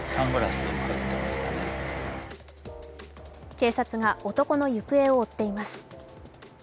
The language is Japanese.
警察が男の行方を追っています。